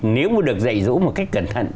nếu mà được dạy dỗ một cách cẩn thận